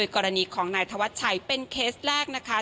กรณีของนายธวัชชัยเป็นเคสแรกนะคะ